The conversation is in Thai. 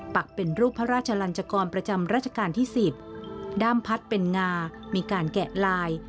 ักเป็นรูปพระราชลันจกรประจำราชการที่๑๐ด้ามพัดเป็นงามีการแกะลาย